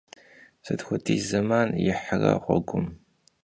Sıt xuediz zeman yihra ğuegum?